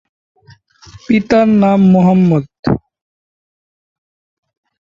পিতার নাম মুহাম্মদ।